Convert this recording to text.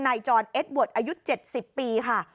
จรเอสเวิร์ดอายุ๗๐ปีค่ะ